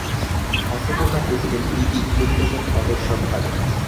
অন্নপূর্ণা কহিলেন, দিদি, কলিকাতার খবর সব ভালো।